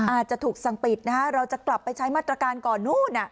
อาจจะถูกสั่งปิดนะฮะเราจะกลับไปใช้มาตรการก่อนนู้น